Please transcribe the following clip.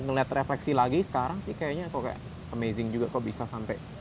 ngelihat refleksi lagi sekarang sih kayaknya aku kayak amazing juga kok bisa sampai